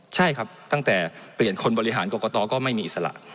ใช่ครับตั้งแต่เปลี่ยนคนบริหารกรกตก็ไม่มีอิสระ